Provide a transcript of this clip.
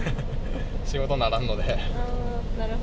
仕事にならんので。